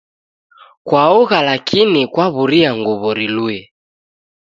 Kwaogha lakini kwaw'uria nguw'o riluye.